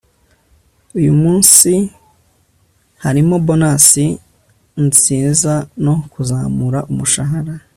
uyu munsi harimo bonus nziza no kuzamura umushahara